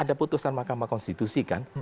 apa lagi ada putusan mahkamah konstitusi kan